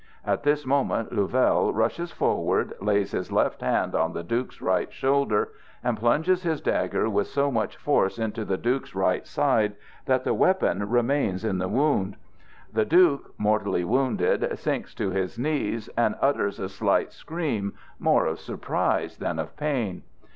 At this moment Louvel rushes forward, lays his left hand on the duke's right shoulder and plunges his dagger with so much force into the Duke's right side that the weapon remains in the wound. The Duke, mortally wounded, sinks to his knees, and utters a slight scream, more of surprise than of pain.